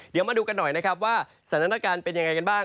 เดี๋ยวมาดูกันหน่อยว่าสถานการณ์เป็นอย่างไรกันบ้าง